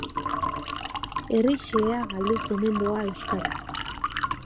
Herri xehea galduz omen doa euskara.